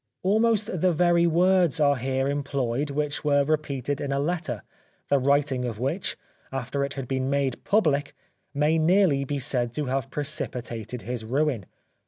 Almost the very words are here employed which were re peated in a letter, the writing of which, after it had been made public, may nearly be said to have precipitated his ruin.